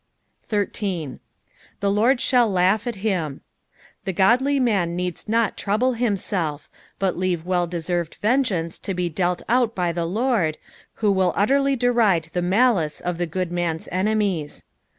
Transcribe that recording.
18. " The Lord sfiaU laugh at ftini." The godly man needs not trouble himself, but leave well deaerved vengeance to be dealt out by the Lord, who will utterly deride the malice of the good man's enemies.